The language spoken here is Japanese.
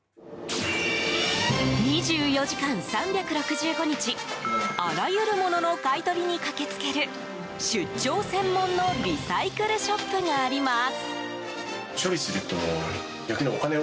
２４時間３６５日あらゆるものの買い取りに駆けつける出張専門のリサイクルショップがあります。